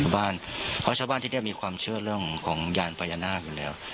เพราะชาวบ้านที่นี่มีความเชื่อเรื่องของยานพญานาคอยู่แล้ว